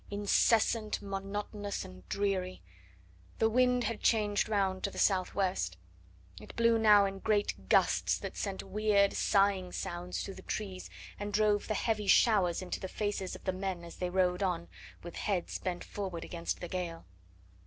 Incessant, monotonous and dreary! The wind had changed round to the southwest. It blew now in great gusts that sent weird, sighing sounds through the trees, and drove the heavy showers into the faces of the men as they rode on, with heads bent forward against the gale.